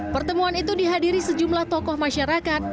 pertemuan itu dihadiri sejumlah tokoh masyarakat